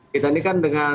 kita ini kan dengan